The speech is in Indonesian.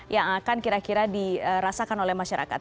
yang akan kira kira dirasakan oleh masyarakat